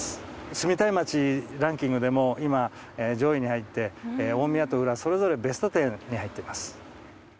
住みたい街ランキングでも今上位に入って大宮と浦和それぞれベスト１０に入っています